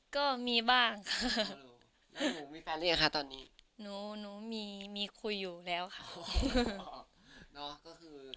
ก็มีบ้างค่ะแล้วหนูมีแฟนหรือยังคะตอนนี้หนูหนูมีมีคุยอยู่แล้วค่ะ